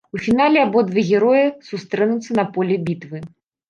У фінале абодва героя сустрэнуцца на поле бітвы.